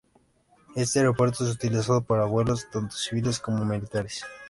Este aeropuerto es utilizado para vuelos tanto civiles como militares.